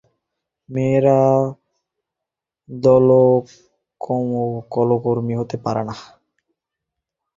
মেয়েরা দমকলকর্মী হতে পারেনা?